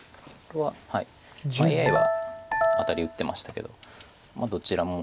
ＡＩはアタリ打ってましたけどどちらも。